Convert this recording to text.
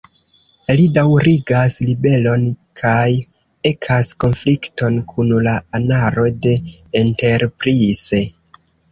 Li daŭrigas ribelon kaj ekas konflikton kun la anaro de "Enterprise".